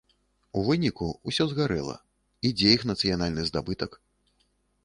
У выніку ўсё згарэла, і дзе іх нацыянальны здабытак?